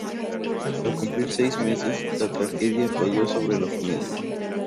Al cumplir seis meses, la tragedia cayó sobre la familia.